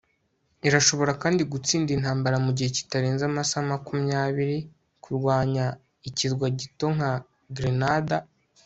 Irashobora kandi gutsinda intambara mugihe kitarenze amasaha makumya biri kurwanya ikirwa gito nka Grenada